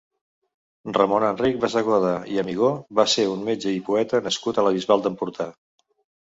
Ramon-Enric Bassegoda i Amigó va ser un metge i poeta nascut a la Bisbal d'Empordà.